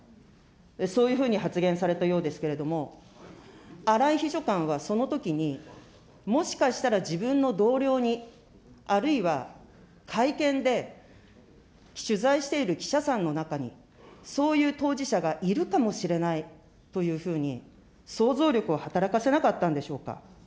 そういうふうに発言されたようですけれども、荒井秘書官はそのときに、もしかしたら自分の同僚に、あるいは会見で取材している記者さんの中に、そういう当事者がいるかもしれないというふうに、想像力を働かせなかったんでしょうか。